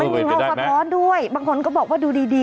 มันมีห้องกระท้อนด้วยบางคนก็บอกว่าดูดี